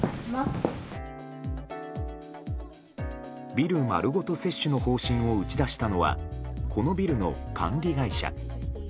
ビル丸ごと接種の方針を打ち出したのはこのビルの管理会社。